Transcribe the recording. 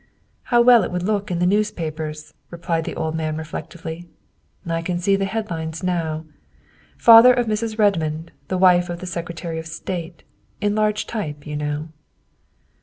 " How well it would look in the newspapers," re turned the old man reflectively. " I can see the head lines now: ' Father of Mrs. Redmond, the wife of the Secretary of State,' in large type you know.